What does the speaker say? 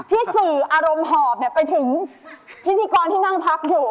ที่สื่ออารมณ์หอบไปถึงพิธีกรที่นั่งพักอยู่